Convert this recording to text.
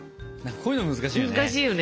こういうの難しいよね。